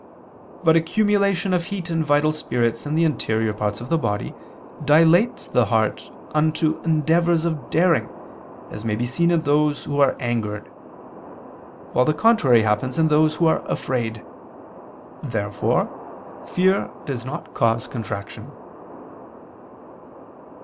But accumulation of heat and vital spirits in the interior parts of the body, dilates the heart unto endeavors of daring, as may be seen in those who are angered: while the contrary happens in those who are afraid. Therefore fear does not cause contraction.